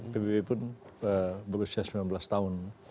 pbb pun berusia sembilan belas tahun